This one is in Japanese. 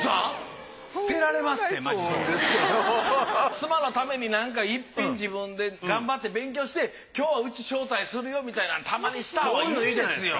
妻のためになんか１品自分で頑張って勉強して今日はうち招待するよみたいなたまにしたほうがいいですよ。